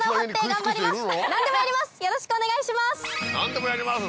よろしくお願いします！